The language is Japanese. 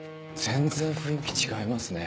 全然雰囲気違いますね